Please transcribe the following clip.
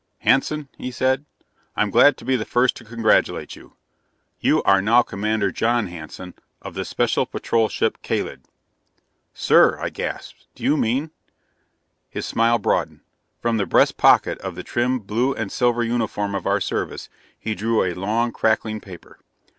"Hanson," he said. "I'm glad to be the first to congratulate you. You are now Commander John Hanson, of the Special Patrol Ship Kalid!" "Sir." I gasped, "do you mean " His smile broadened. From the breast pocket of the trim blue and silver uniform of our Service he drew a long, crackling paper.